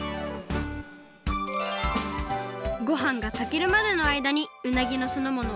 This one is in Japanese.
ごはんがたけるまでのあいだにうなぎのすのもの